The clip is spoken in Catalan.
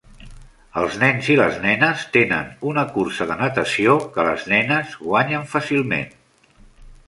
Els nens i les nenes tenen una cursa de natació que les nenes guanyen fàcilment.